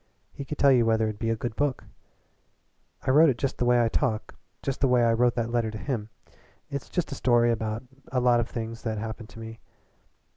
He could tell you whether it'd be a good book. I wrote it just the way I talk, just the way I wrote that letter to him. It's just a story about a lot of things that happened to me.